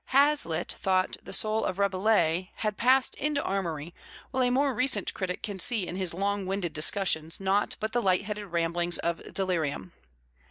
Hazlitt thought that the soul of Rabelais had passed into Amory, while a more recent critic can see in his long winded discussions naught but the "light headed ramblings of delirium."